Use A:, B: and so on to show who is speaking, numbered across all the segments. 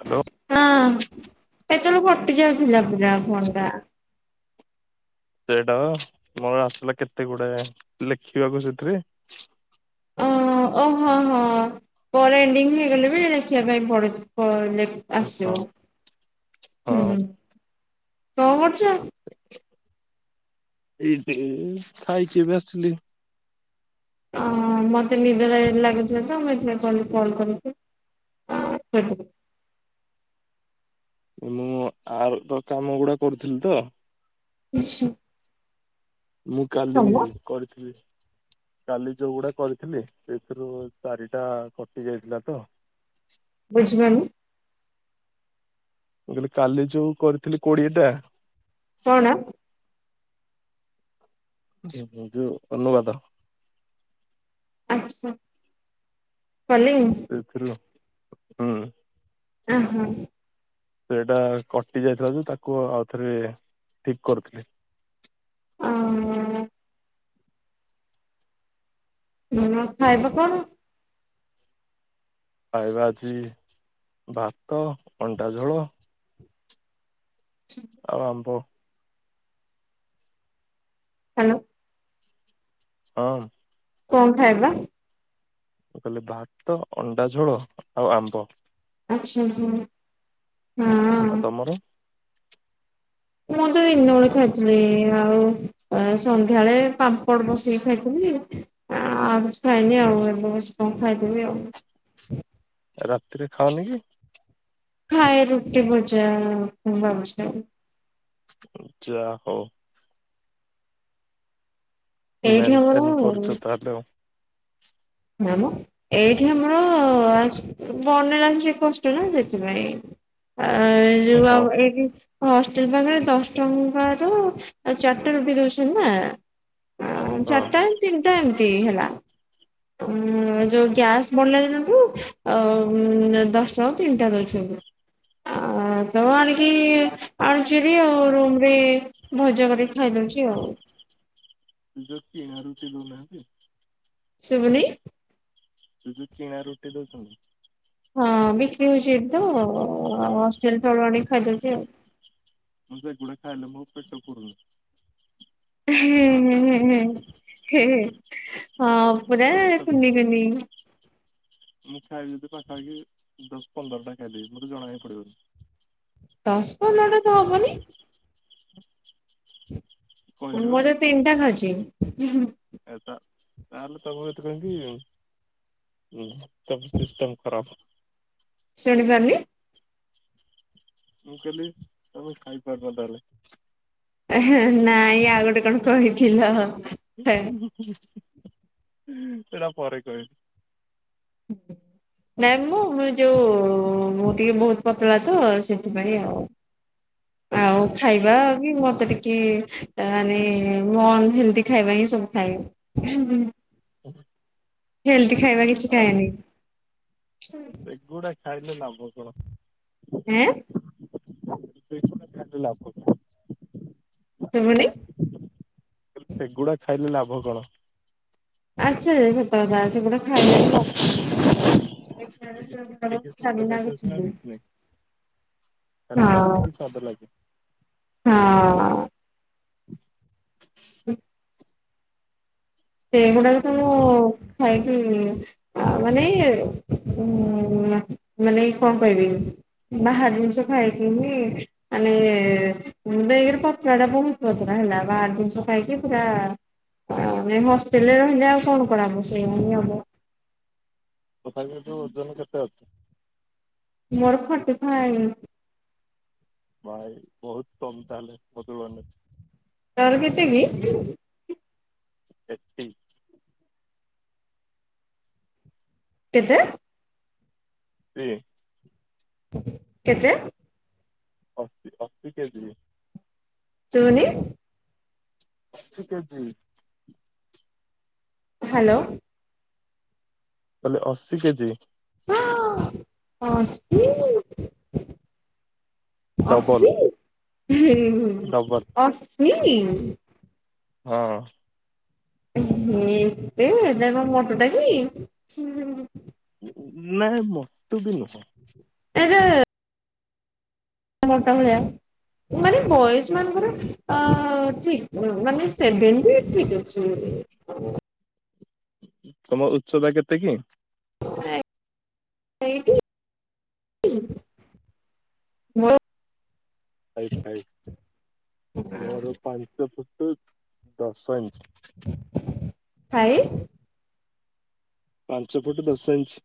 A: Hello.
B: ହଁ, ଏଥର କଟି ଯାଉଥିଲା, ପୁରା ଫୋନ୍ ଟା।
A: ଦେଇଦେବ, ମୋର ଆସିଲା କେତେ ଗୁଡେ ଲେଖିବାକୁ ସେଥିରେ
B: ଓ ଅ ହଁ, ହଁ, ହଁ ପରେ, ଏଣ୍ଡିଙ୍ଗ୍ ହେଇଗଲେ ବି ଲେଖିବା ପାଇଁ ପଡେ ପ, ଲେ ଆସିବ।
A: ହଁ ହଁ
B: ହୁଁ, କଣ କରୁଚ?
A: ଏବେ ଖାଇକି ଏବେ ଆସିଲି।
B: ଅ, ମତେ ନିଦ ଜୋରେ ଲାଗୁଥିଲା ତ ମୁଁ ଏଥିପାଇଁ କହିଲି କଲ୍ କରଦେ। [inaudible]
A: ମୁଁ, ଆଉ ର କାମଗୁଡା କରୁଥିଲି ତ।
B: ଆଛା।
A: ମୁଁ କାଲି-ଇ କରିଥିଲି। କାଲି ଯୋଉଗୁଡା କରିଥିଲି, ସେଥିରୁ ଚାରିଟା କଟି ଯାଇଥିଲା ତ
B: ବୁଝବେନି
A: ମୁଁ କହିଲି କାଲି ଯୋଉ କରିଥିଲି କୋଡିଏଟା
B: କଣ?
A: ଯୋଉ ଅନୁବାଦ
B: ଆଛା, କାଲି?
A: ହାଲୋ, ହୁଁ
B: ଉଁ ହୁଁ।
A: ସେ ସେଇଟା କଟି ଯାଇଥିଲା ଯଉ, ତାକୁ ଆଉଥରେ ଠିକ୍ କରୁଥିଲି।
B: [unintelligible] ନୁଣ ଖାଇବା କଣ?
A: ଖାଇବା ଆଜି ଭାତ, ଅଣ୍ଡା ଝୋଳ
B: [unintelligible]
A: ଆଉ ଆମ୍ବ
B: ହାଲୋ।
A: ହଁ ଅଁ।
B: କଣ ଖାଇବା?
A: ମୁଁ କଇଲି ଭାତ, ଅଣ୍ଡା ଝୋଳ ଆଉ ଆମ୍ବ।
B: ଆଛା, ଆଛା, ହଁଅଁ।
A: ଆଉ ତମର?
B: ମୁଁ ତ ଇନବେଳେ ଖାଇଥିଲି, ଆଉ ସନ୍ଧ୍ୟାଏଳେ ପାମ୍ପଡ଼ ବସିକି ଖାଇଥିଲି। ଆଉ କିଛି ଖାଇନି ଆଉ, ଏବେ ବସି କଁ ଖାଇଦେବି ଆଉ।
A: ରାତିରେ ଖାଅନି କି?
B: ଖାଏ ରୁଟି ଭଜା, ଖୁମ୍ବ ଆଳୁ ମସଲା।
A: ଯା ହଉ।
B: ଏଇଠି ଆମର
A: ମେଣ୍ଟେନ୍ କରୁଚ ତାହେଲେ ଆଉ।
B: ନାଁ ମ। ଏଇଠି ଆମର ଆସ୍ ବନେଇଲାଠୁ ଟିକେ କଷ୍ଟ ନା, ସେଥିପାଇଁ। ଆ ଯୋଉ
A: ଓହୋ
B: ଆମର ଏଠି ହଷ୍ଟେଲ ପାଖେରେ ଦଶ ଟଙ୍କାରୁ ଆଉ ଚାଟା ରୁଟି ଦଉଚନ୍ତି ନାଆଁ,
A: ହଁ ହଁ।
B: ଚାଟା ତିନିଟା ଏମିତି ହେଲା। ଉଁ ଉଁ ଯୋଉ ଗ୍ୟାସ ବଢିଲା ଦିନଠୁ ଅ ଉଁ ଉଁ ଆ ଦଶ ଟଙ୍କାରେ ତିନିଟା ଦଉଛନ୍ତି।
A: [unintelligible]
B: ଆ ଆ ଆ ତମ ଆଣିକି, ଆଣୁଚି ହାରି, ଆଉ ରୁମ୍ ରେ ଭଜା କରିକି ଖାଇଦଉଚି ଆଉ।
A: ଯୋଉ କିଣା ରୁଟି ଦଉନାହାନ୍ତି
B: ଶୁଭୁନି?
A: ଯୋଉ ଯୋଉ କିଣା ରୁଟି ଦଉଚନ୍ତି
B: ହଁ ଅଁ ବିକ୍ରି ହଉଚି ଏଇଠି ତ, ଅ ଅ
A: ହଁ
B: ହଷ୍ଟେଲ ତଳୁ ଆଣିକି ଖାଇ ଦଉଚି ଆଉ।
A: ମୁଁ ସେଗୁଡା ଖାଇଲେ ମୋ ପେଟ ପୁୁରୁନି।
B: ଏହେଁ ହେଁ ହେଁ ହେଁ ହେ ହେ ହଁ ପୁରା
A: ତଥାପି
B: କୁନି କୁନି।
A: ମୁଁ ଖାଇଯିବି ପାଖା ପାଖି ଦଶ୍ ପନ୍ଦର ଟା ଖାଇଦେବି, ମତେ ଜଣା ବି ପଡିବନି।
B: ଦଶ୍ ପନ୍ଦରଟା ତ ହବନି?
A: କହିଲି ବା
B: ମୁଁ ତ ତିନ୍ ଟା ଖାଉଚି।
A: ହେଇପା, ତାହେଲେ ତମୁକୁ ଏତେ କାହିଁକି ଉଁ ସବ୍ ସିଷ୍ଟମ୍ ଖରାପ ଅଛି।
B: ଶୁଣିପାରିନି।
A: ମୁଁ କଇଲି ତମେ ଖାଇପାରୁନ ତାହେଲେ।
B: ଏ ହେଁ ନାଇଁ ଆଉ ଗୋଟେ କଣ କହିଥିଲ।
A: ଉହୁଁ ଉଁହୁ ସେଟା ପରେ କହିବି।
B: ନାଇଁ ମୁଁ ମୁ ଯୋଉ ମୁଁ ଟିକେ ବହୁତ ପତଳା ତ ସେଥିପାଇଁ ଆଉ। ଆଉ ଖାଇବା
A: କହିବି।
B: ବି ମତେ ଟିକେ ତା ମାନେ ମୁଁ ଅନ ହେଲଦି ଖାଇବା ହିଁ ସବୁ ଖାଏ। ହେଁ
A: ହ [inaudible]
B: ହେଲଦି ଖାଇବା କିଛି
A: ଅ
B: ଖାଏନି।
A: ସେଗୁଡା ଖାଇଲେ ଲାଭ କଣ?
B: ଏଁ
A: ସେଗୁଡା ଖାଇଲେ ଲାଭ କଣ?
B: ତା ମାନେ
A: ସେଗୁଡା ଖାଇଲେ ଲାଭ କଣ?
B: ଆଚ୍ଛା ଯେ ସତ କଥା, ସେଗୁଡା ଖାଇଲେ ବି ଲାଭ ନାଇଁ।
A: ଖାଲି
B: ଲେ
A: ପାଟିକି
B: ତାମିିଲନାଡୁ ଚ [unintelligible]
A: ତାହେଲେ ପାଟିକି ସ୍ୱାଦ ଲାଗେ।
B: ହଁ ଅଁ ହୁଁ [inaudible] ସେଗୁଡାକତ
A: ଆଉ
B: ଖାଇକି ଏଇଆ ଆ ମାନେ ଉ ମାନେ କଣ କରିବି? ବାହାର ଜିନିଷ ଖାଇକି ହି ଆମେ ମୁଁ ଦେଇକରି ପତ୍ର ଟା ବହୁତ ପତରା ହେଲା ବାହାର ଜିନିଷ ଖାଇକି ପୁରା ଆମେ ହ ଷ୍ଟେଲ ରହିଲେ ଆଉ କଣ କରା ହବ? ସେଇଆ ହିଁ ହବ।
A: ତଥାପି ଯୋଉ ଓଜନ କେତେ ଅଛି?
B: ମୋର ଫର୍ଟି ଫାଇପ।
A: ଭାଇ ବହୁତ କମ ତାହେଲେ, ବଦୁବାନେ
B: ତାର କେତେ କି?
A: ଫିପଟି।
B: କେତେ?
A: ଟି
B: କେତେ?
A: ଅଶୀ ଅଶୀ କେଜିି।
B: ଶୁବୁନି
A: ଠିକେଜି
B: ହ୍ୟାଲୋ।
A: ତା ହେଲେ ଅଶୀ କେଜି।
B: ହଁ ଅଶୀ।
A: ଡବଲ
B: ଅଶୀ ହୁଁ ହୁଁ ହୁଁ
A: ଡବଲ
B: ଅଶୀ
A: ହଁ।
B: ଏତେ ତାର ମୋଟ ଟା କି?
A: ନାଇଁ ମତେ ବି ନୁହଁ।
B: [unintelligible] [unintelligible] ମାନେ ବଏଜ ମାନଙ୍କର ଅ ଠିକ୍ ମାନେ ସେଭେଣ୍ଟି ଠିକ୍ ଅଛି। [unintelligible]
A: ତମ ଉଚ୍ଚତା କେତେ କି?
B: [unintelligible] ମୋର
A: ହାଇଟ୍ ହାଇଟ୍ ମୋର ପାଞ୍ଚ ଫୁଟୁ ଦଶ ଇଞ୍ଚ୍।
B: ହାଏ।
A: ପାଞ୍ଚ ଫୁଟ୍ ଦଶ ଇଞ୍ଚ୍।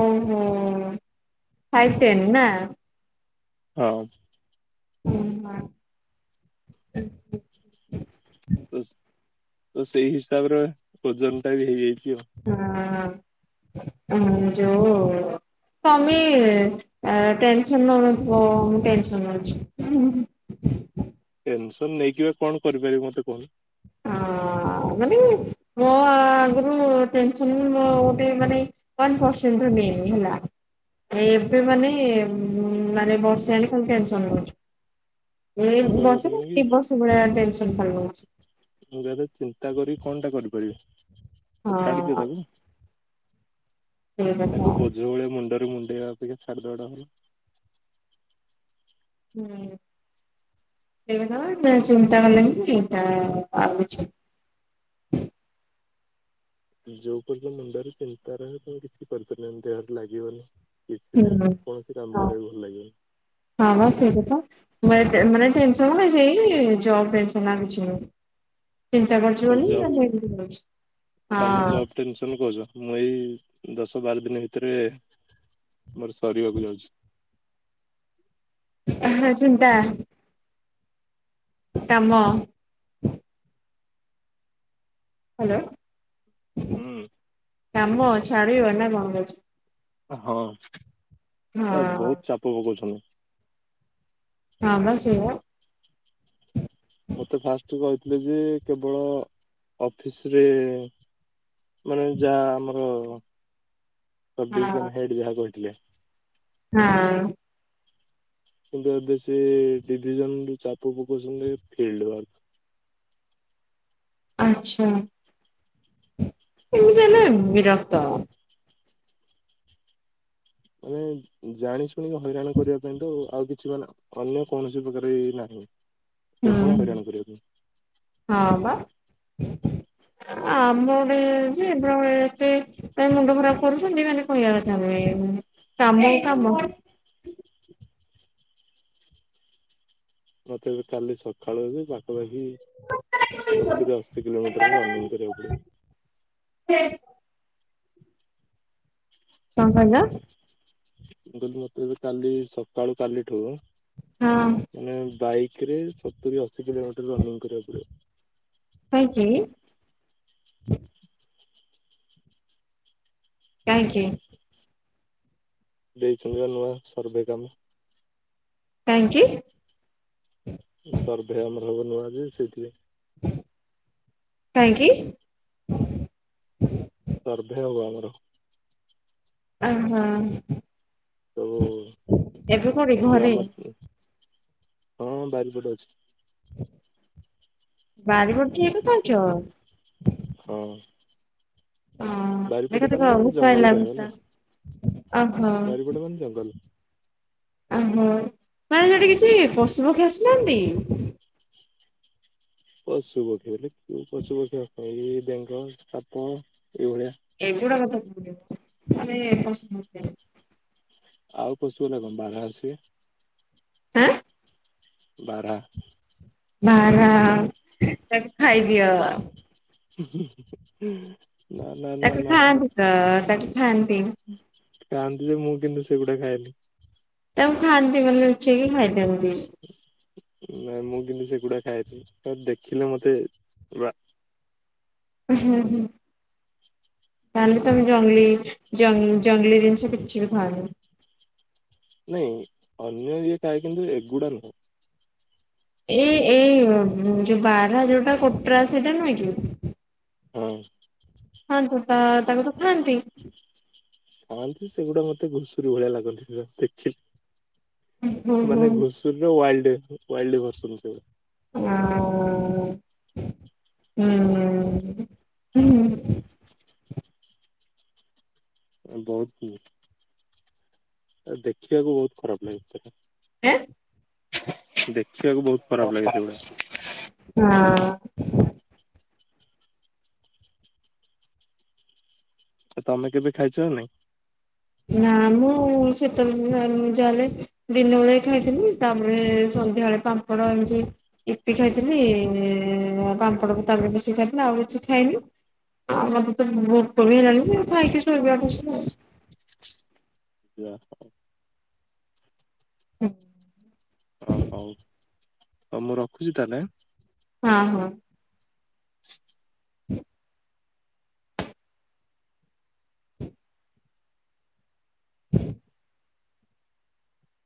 B: ଓହୋ ଫାଇଭ୍ ଟେନ୍ ନା।
A: ହଁ!
B: ହୁଁ ହାଁ [unintelligible]
A: ତ ତ ସେଇ ହିସାବରେ ଓଜନଟା ବି ହେଇଯାଇଚି ଆଉ।
B: ହଁ ହୁଁ ଯୋଉ ତମେ ଆ ଟେନସନ୍ ନଉନଥିବ ମୁଁ ଟେନସନ୍ ନଉଚି।
A: ଟେନସନ୍ ନେଇକି ବା କଣ କରିପାରିବି ମତେ କହୁନ।
B: ହଁ ମାନେ ମୋ ଆଗରୁ ଟେନସନ ଗୋଟେ ମାନେ ୱାନ୍ ପର୍ସଣ୍ଟର ନେନି ହେଲା। ଏବେ ମାନେ ମାନେ ବର୍ଷେଇ ଆଣି କଣ ଟେନସନ ନଉଚି। ଏ
A: ମୁଁ କହିବା କଥା କି
B: ବସିବୁ
A: କି
B: ଦି ବସ ଭଳି ଟେନସନ୍ ଭା ହଉଚି।
A: ମୁଁ ଯଦି ଚିନ୍ତା କରି କଣଟା କରିପାରିବି ତ ଛାଡି ଦିଅ
B: ହଁ
A: ତାକୁ
B: ସେଇ କଥା।
A: ତାକୁ ବୋଝ ଭଳିଆ ମୁଣ୍ଡ ମୁଣ୍ଡେଇବା ଅପକ୍ଷା ଛାଡିଦବାଟା ଭଲ।
B: ହୁଁ ସେଇ କଥା ବା ସେ ଚିନ୍ତା କଲେଣିି ତା ଆଉଚି।
A: ଯୋଉ ଉପରେ ତ ମୁଣ୍ଡରେ ଚିନ୍ତାରହେ ତମେ କିଛି କରିପାରୁନ ଦେହରେ ଲାଗିବନି। କିଛି ନାହିଁ
B: ହୁଁ
A: କୌଣସି କାମ
B: ହଁ
A: କରିବାକୁ ଭଲ ଲାଗିବନି।
B: ହଁ ବା ସେଇଟା କଥା। ମାନେ ଟେନ୍ ମାନେ ଟେନସନ୍ କଣ କି ସେଇ ଜବ୍ ଟେନସନ୍ ଆଉ କିଛି ନୁଁ। ଚିନ୍ତା କରୁଚି ବୋଲି
A: ଜବ୍
B: [unintelligible] ଏମିତି
A: ତମେ
B: ହଁ।
A: ଜବ୍ ଟେନସନ କହୁଚ ମୁଁ ଏଇ ଦଶ ବାର ଦିନ ଭିତରେ ମୋର ସରିବାକୁ ଯାଉଛି।
B: ଓହୋ ଚିନ୍ତା। କାମ। ହ୍ୟାଲୋ।
A: ହୁଁ!
B: କାମ ଛାଡିବ ନା କଣ କହୁଛ?
A: ହଁ ଏ
B: ହଁ
A: ବହୁତ୍ ଚାପ ପକଉଛନ୍ତି।
B: ହଁ ବା ସେୟା।
A: ମତେ ଫାଷ୍ଟରୁ କହିଥିଲେ ଯେ କେବଳ ଅଫିସରେ ମାନେ ଯାହା ଆମର
B: ହଁ
A: ସବଡିଭିଜନ ହେଡ୍ ଯାହା କହିଥିଲେ।
B: ହଁ!
A: କିନ୍ତୁ ଏବେ ସେ ଡିଭିଜନର ଚାପ ପକଉଛନ୍ତି ଫିଲ୍ଡ ୱାର୍କ।
B: ଆଚ୍ଛା ଏମିତି ହେଲେ ବିରକ୍ତ।
A: ମାନେ ଜାଣି ଶୁଣିକି ହଇରାଣ କରିବା ପାଇଁ ତ ଆଉ କିଛି ମାନେ ଅନ୍ୟ କୌଣସି ପ୍ରକାର ଏ ନାହିଁ
B: ହୁଁ
A: କେବଳ ହଇରାଣ କରିବା ପାଇଁ।
B: ହଁ ବା ଆମର ଇ [unintelligible] ତ ମୁଣ୍ଡ ଖରାପ କରୁଛନ୍ତି। ମାନେ କହିବା କଥା ନୁହେଁ। କାମ କୁ କାମ
A: ମତେ ଏବେ କାଲି ସଖାଳୁ ଯେ ପାଖାପାଖି
B: କଣ କହିଲ
A: ସତୁରି ଅଶୀ
B: ହଁ
A: କିଲୋମିଟର ରନିଂ କରିବାକୁ ପଡିବ।
B: ହୁଁ। କଣ କହିଲ?
A: ମୁଁ କହିଲି ମତେ ଏବେ କାଲି ସକାଳୁ କାଲିଠୁ
B: ହଁ।
A: ମାନେ ବାଇକ ରେ ସତୁରି ଅଶୀ କିଲୋମିଟର ରନିଂ କରିବାକୁ ପଡିବ।
B: କାହିଁକି? କାହିଁକି?
A: ଦେଇଛନ୍ତି ବା ନୂଆ ସର୍ଭେ କାମ।
B: କାହିଁକି?
A: ସର୍ଭେ ଆମର ହବ ନୂଆ ଯେ ସେଇଥିଲାଗି।
B: କାହିଁକି?
A: ସର୍ଭେ ହବ ଆମର।
B: ଅ ହଁ। କୋଉଠି
A: ଯୋଉ
B: ଘରେ
A: ଆମର ହଁ ବାରିପଟେ ଅଛି।
B: ବାରିପଟେ ଠିଆ ହୋଇ କଥା ହଉଛ?
A: ହଁ।
B: ହଁ ଦେଖ
A: ବାରିପଟେ
B: ଦେଖ
A: ମାନେ
B: ଭୂତ
A: ଜଙ୍ଗଲ
B: ଆଇଲା
A: କହିବ
B: ଭୂତ
A: ହେଲା।
B: ଓହୋ
A: ବାରିପଟ ମାନେ ଜଙ୍ଗଲ।
B: ଓହୋ ମାନେ ସେଠି କିଛି ପଶୁ ପକ୍ଷୀ ଆସୁନାହାନ୍ତି?
A: ପଶୁ ପକ୍ଷୀ ବେଲେ କୋଉ ପଶୁ ପକ୍ଷୀ ଆଉ ଏଇ ବେଙ୍ଗ ସାପ ଏଇଭଳିଆ
B: ଏଗୁଡା କଥା କୁହନି ମାନେ ପଶୁ [unintelligible]
A: ଆଉ ପଶୁ ମାନେ କଣ ବାର୍ହା ଆସିବେ।
B: ହାଁ।
A: ବାରହା।
B: ବାରାଆ ତାକୁ ଖାଇଦିଅ।
A: [unintelligible] ନା
B: ତାକୁ
A: ନା ନା
B: ଖାଆନ୍ତି ତ ତାକୁ ଖାଆନ୍ତି।
A: ଖାଆନ୍ତି ଯେ ମୁଁ କିନ୍ତୁ ସେଗୁଡା ଖାଏନି।
B: ତାକୁ ଖାଆନ୍ତି ମାନେ ଲୁଚେଇକି ଖାଇଦିଅନ୍ତି।
A: ନାଇ ମୁଁ କିନ୍ତୁ ସେଗୁଡା ଖାଏନି ତାକୁ ଦେଖିଲେ ମତେ ଅ
B: ହଁ ହୁଁ ହୁଁ ତାହେଲେ ତମେ ଜଙ୍ଗ ଜଙ୍ଗଲି ଜିନିଷ କିଛି ବି ଖାଅନି?
A: ନାଇଁ ଅନ୍ୟ ଇଏ ଖାଏ କିନ୍ତୁ ଏଗୁଡା ନୁହଁ।
B: ଏଇ ଏଇ ଯୋଉ ବାରା ଯୋଉଟା କୋଟରା ସେଇଟା ନୁହେଁ କି?
A: ହଁ।
B: ହନ୍ତୁ ତା ତାକୁ ତ ଖାଆନ୍ତି।
A: ହଁ ଯେ ସେଗୁଡା ମତେ ଘୁଷୁରୀ ଭଳିଆ ଲାଗନ୍ତି ଦେଖିଲେ।
B: ହୁଁ
A: ମାନେ
B: ହୁଁ
A: ଘୁଷୁରରେ ୱାଲ୍ଡ ୱାଲ୍ଡ ଭରସନ୍।
B: ହଁ ହୁଁଁ।
A: ବହୁତ ଇଏ ତାକୁ ଦେଖିବାକୁ ବହୁତ ଖରାପ ଲାଗିଥିଲା।
B: ଏଁ
A: ଦେଖିବାକୁ ବହୁତ ଖରାପ ଲାଗେ ସେଗୁଡା।
B: [inaudible] ହଁ।
A: ଆଉ ତମେ କେବେ ଖାଇଛ ନା ନାଇଁ?
B: ନା ମୁଁ ସେତେବେଳେ [inaudible] ଯାହେଲେ ଦିନ ବେଳେ ଖାଇଥିଲି ତାପରେ ସନ୍ଧ୍ୟା ବେଳେ ପାମ୍ପଡ଼ ଏମିତି ଇପି ଖାଇଥିଲି ଆଉ ପାମ୍ପଡ ତ ତାପରେ ବସି ଖାଇଥିଲି ଆଉ କିଛି ଖାଇନି। ଆଉ ମତେ ତ ଭୋକ ବି ହେଲାଣି ଆଉ ଖାଇକି ଶୋଇବା ଏକାଥରେ ଆଉ।
A: ଆଜ୍ଞା ହଁ।
B: ହୁଁ।
A: ଆଉ ହଉ ହଉ ମୁଁ ରଖୁଛି ତାହେଲେ?
B: ହଁ ହଁ। ହୁଁ। ହୁଁ।